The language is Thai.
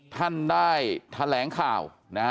ท่านได้แถลงข่าว